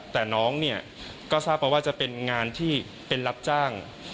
แต่น้องเนี่ยก็ทราบมาว่าจะเป็นงานที่เป็นรับจ้าง